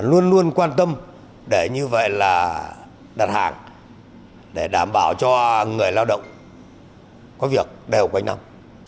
luôn luôn quan tâm để như vậy là đặt hàng để đảm bảo cho người lao động có việc đều quanh năm